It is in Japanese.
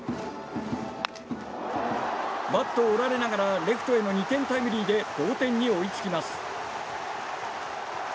バットを折られながらレフトへの２点タイムリーで同点に追いつきます。